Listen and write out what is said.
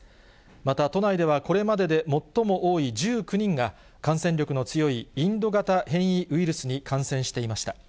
また都内では、これまでで最も多い１９人が、感染力の強いインド型変異ウイルスに感染していました。